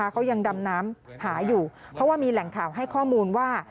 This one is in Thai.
เขายังดำน้ำหาอยู่เพราะว่ามีแหล่งข่าวให้ข้อมูลว่า